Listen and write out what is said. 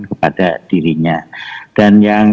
kepada dirinya dan yang